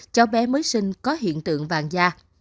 cháu bé mới sinh có hiện tượng vàng da